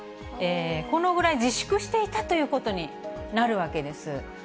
このぐらい自粛していたということになるわけです。